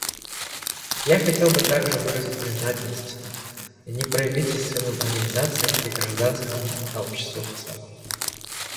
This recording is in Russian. Я хотел бы также выразить признательность неправительственным организациям и гражданскому обществу в целом.